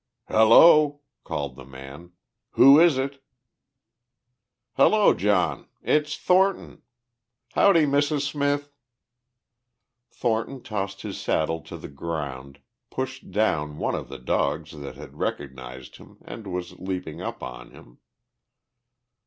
"Hello," called the man. "Who is it?" "Hello, John. It's Thornton. Howdy, Mrs. Smith." Thornton tossed his saddle to the ground, pushed down one of the dogs that had recognized him and was leaping up on him.